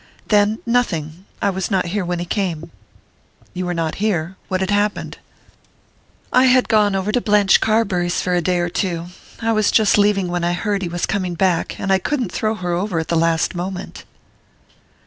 "Then nothing! I was not here when he came." "You were not here? What had happened?" "I had gone over to Blanche Carbury's for a day or two. I was just leaving when I heard he was coming back, and I couldn't throw her over at the last moment."